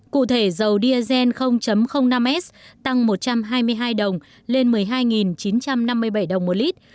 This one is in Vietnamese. cụ thể dầu diesel năm s tăng một trăm hai mươi hai đồng lên một mươi hai chín trăm năm mươi bảy đồng một lít